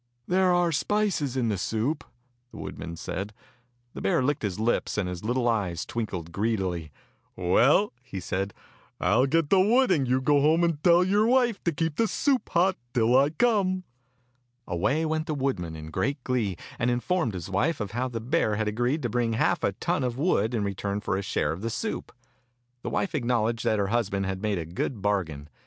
"There are spices in the soup," the wood man said. The bear licked his lips, and his little eyes twinkled greedily. "Well," he said, "I'll get the wood, and you go home and tell your wife to keep the soup hot till I come." Away went the woodman in great glee, and informed his wife of how the bear had agreed to bring half a ton of wood in return for a share of the soup. The wife acknowledged that her husband had made a good bargain.